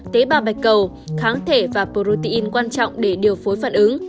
tế bào bạch cầu kháng thể và protein quan trọng để điều phối phản ứng